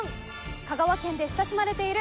香川県で親しまれている